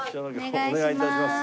お願いします。